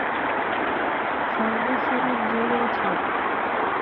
–সর্বশরীর জ্বলে উঠল।